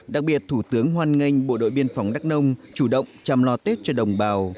đặc biệt thủ tướng hoan nghênh bộ đội biên phòng đắc nông chủ động chăm lo tết cho đồng bào